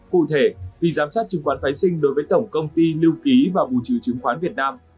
cụ thể khi giám sát chứng khoán phái sinh đối với tổng công ty lưu ký và bù trừ chứng khoán việt nam